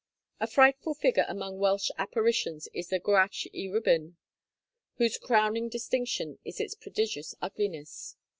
A frightful figure among Welsh apparitions is the Gwrach y Rhibyn, whose crowning distinction is its prodigious ugliness.